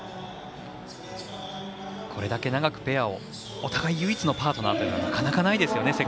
これだけ長くペアをお互い唯一のパートナーというのはなかなかないですよね